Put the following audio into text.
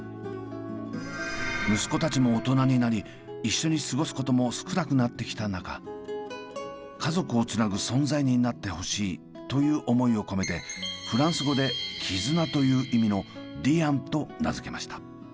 息子たちも大人になり一緒に過ごすことも少なくなってきた中家族をつなぐ存在になってほしいという思いを込めてフランス語で「絆」という意味のリアンと名付けました。